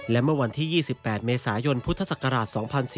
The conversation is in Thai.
และเมื่อวันที่๒๘เมษายนพุทธศักราช๒๔๙